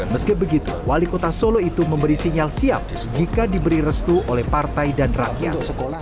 meski begitu wali kota solo itu memberi sinyal siap jika diberi restu oleh partai dan rakyat